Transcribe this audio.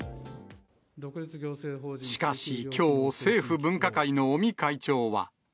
しかし、きょう、政府分科会の尾身会長は。